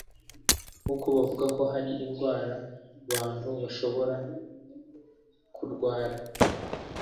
nkuko bavuga ko hari indwara bantu bashobora kurwara